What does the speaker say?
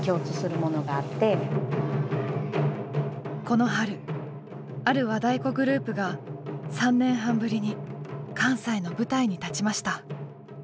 この春ある和太鼓グループが３年半ぶりに関西の舞台に立ちました。